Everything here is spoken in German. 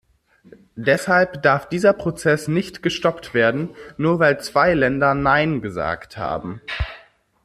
Deshalb darf dieser Prozess nicht gestoppt werden, nur weil zwei Länder "Nein" gesagt haben.